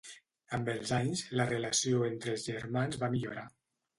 Amb els anys, la relació entre els germans va millorar.